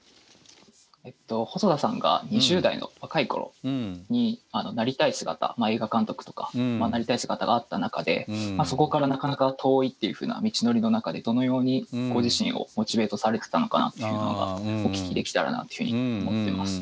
細田さんが２０代の若い頃になりたい姿映画監督とかなりたい姿があった中でそこからなかなか遠いっていうふうな道のりの中でどのようにご自身をモチベートされてたのかなっていうのがお聞きできたらなっていうふうに思ってます。